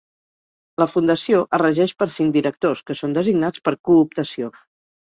La fundació es regeix per cinc directors, que són designats per cooptació.